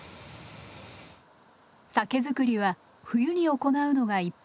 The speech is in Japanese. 酒造りは冬に行うのが一般的。